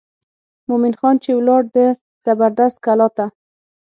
مومن خان چې ولاړ د زبردست کلا ته.